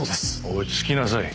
落ち着きなさい。